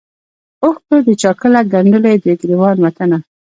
اوښکو د چا کله ګنډلی دی ګرېوان وطنه